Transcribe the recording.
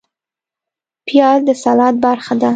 پیاز د سلاد برخه ده